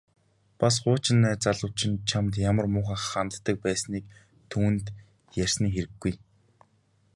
Бас хуучин найз залуу чинь чамд ямар муухай ханддаг байсныг түүнд ярьсны хэрэггүй.